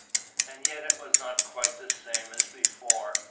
And yet it was not quite the same as before.